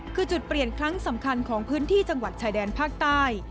คือจุดเปลี่ยนครั้งสำคัญของพื้นที่จังหวัดชายแดนภาคใต้